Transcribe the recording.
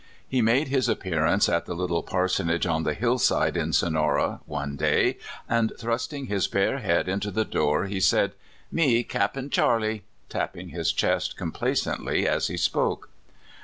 He made his appearance at the little parsonage on the hillside in Sonora one day, and, thrusting his bare head into the door, he said, *' Me Cappin Charley," tapping his chest complacently as he spoke.